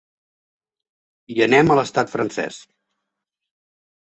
I anem a l’estat francès.